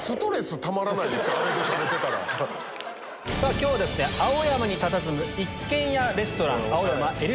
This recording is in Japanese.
今日は青山にたたずむ一軒家レストラン。